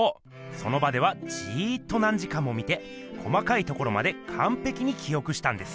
その場ではじっと何時間も見て細かいところまでかんぺきにきおくしたんです。